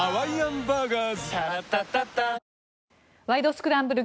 スクランブル」